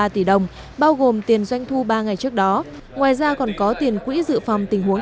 ba tỷ đồng bao gồm tiền doanh thu ba ngày trước đó ngoài ra còn có tiền quỹ dự phòng tình huống